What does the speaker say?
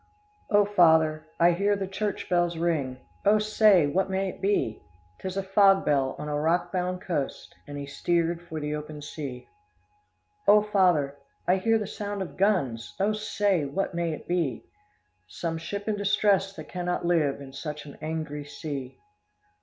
"'O father, I hear the church bells ring, O say, what may it be?' 'Tis a fog bell on a rock bound coast,' And he steered for the open sea. 'O father, I hear the sound of guns, O say, what may it be?' 'Some ship in distress that can not live In such an angry sea.